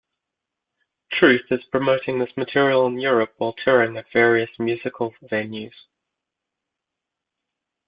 Truth is promoting this material in Europe while touring at various musical venues.